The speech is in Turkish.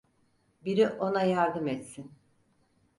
Biri ona yardım etsin!